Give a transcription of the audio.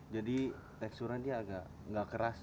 jadi teksturnya dia agak nggak keras